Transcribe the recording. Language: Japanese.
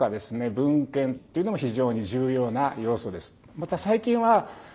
文献っていうのも非常に重要な要素です。